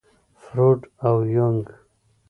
فروډ او يونګ.